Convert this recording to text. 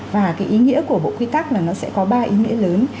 và cái ý nghĩa của bộ quy tắc là nó sẽ có ba ý nghĩa lớn